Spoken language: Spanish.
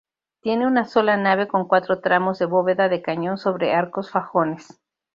Tiene una sola nave con cuatro tramos de bóveda de cañón sobre arcos fajones.